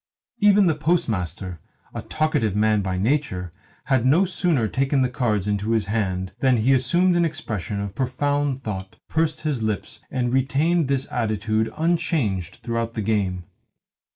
Even the Postmaster a talkative man by nature had no sooner taken the cards into his hands than he assumed an expression of profound thought, pursed his lips, and retained this attitude unchanged throughout the game.